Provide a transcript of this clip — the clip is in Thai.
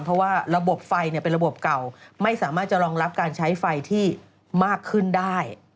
เพราะว่าระบบไฟเป็นระบบเก่าไม่สามารถจะรองรับการใช้ไฟที่มากขึ้นได้